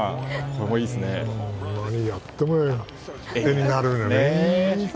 何をやっても画になるよね。